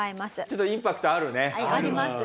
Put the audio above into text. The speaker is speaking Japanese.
ちょっとインパクトあるね。あります。